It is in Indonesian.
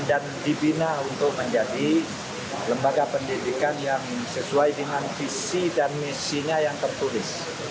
dan dibina untuk menjadi lembaga pendidikan yang sesuai dengan visi dan misinya yang tertulis